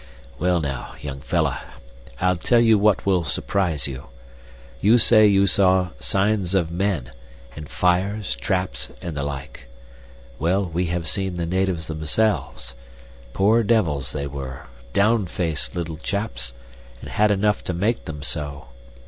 "Well, now, young fellah, I'll tell you what will surprise you. You say you saw signs of men, and fires, traps, and the like. Well, we have seen the natives themselves. Poor devils they were, down faced little chaps, and had enough to make them so.